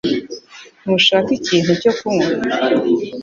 Ntushaka ikintu cyo kunywa